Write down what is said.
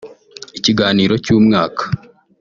Ikiganiro cy’umwaka